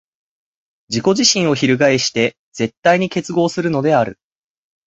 自己自身を翻して絶対に結合するのである。